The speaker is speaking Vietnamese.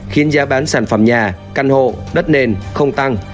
khiến giá bán sản phẩm nhà căn hộ đất nền không tăng